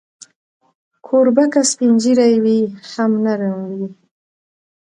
کوربه که سپین ږیری وي، هم نرم وي.